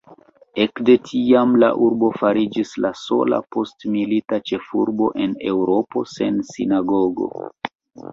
Ekde tiam, la urbo fariĝis la sola postmilita ĉefurbo de Eŭropo sen sinagogo.